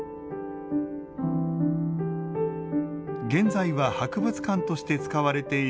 現在は博物館として使われている